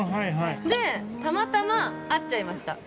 でたまたま会っちゃいました。